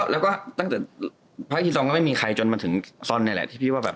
แล้วก็ตั้งแต่พระอีซองก็ไม่มีใครจนมาถึงซอนนี่แหละที่พี่ว่าแบบ